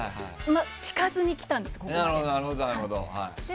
聞かずに来たんです、ここまで。